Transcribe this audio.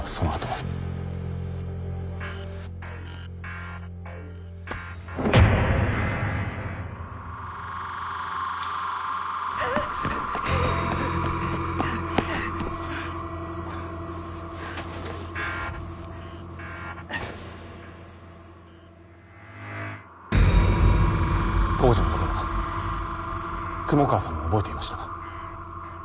はぁはぁ当時のことは雲川さんも覚えていました。